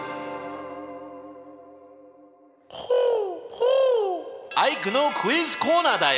ホホアイクのクイズコーナーだよ。